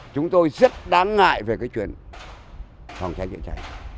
chúng tôi rất đáng ngại về cái chuyện phòng cháy chữa cháy